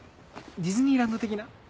ディズニーランド的な？